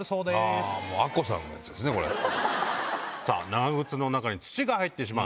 長靴の中に土が入ってしまう。